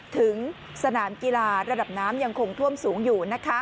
ถึงสนามกีฬาระดับน้ำยังคงท่วมสูงอยู่